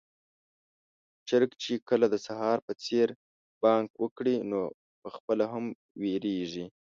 چرګ چې کله د سهار په څېر بانګ وکړي، نو پخپله هم وېريږي.